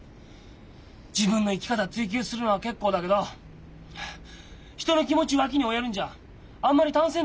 自分の生き方追求するのは結構だけど人の気持ち脇に追いやるんじゃあんまり単線だよ。